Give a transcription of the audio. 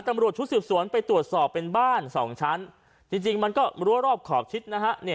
ตำรวจชุดสืบสวนไปตรวจสอบเป็นบ้านสองชั้นจริงมันก็รั้วรอบขอบชิดนะฮะ